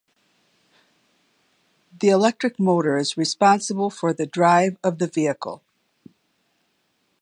The electric motor is responsible for the drive of the vehicle.